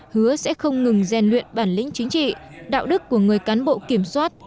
hứa sẽ không ngừng rèn luyện bản lĩnh chính trị đạo đức của người cán bộ kiểm soát